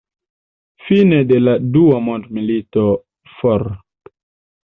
Fine de la Dua Mondmilito, Fr.